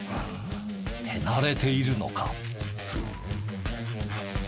手慣れているのか？